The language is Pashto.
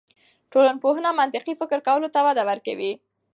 ټولنپوهنه منطقي فکر کولو ته وده ورکوي.